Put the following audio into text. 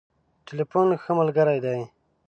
ټليفون ښه ملګری دی.